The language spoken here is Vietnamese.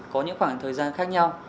có những khoảng thời gian khác nhau